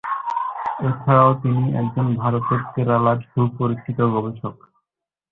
এছাড়াও তিনি একজন ভারতের কেরালার সুপরিচিত গবেষক।